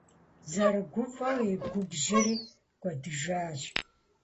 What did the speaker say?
ЗэрыгуфӀэу и губжьри кӀуэдыжащ.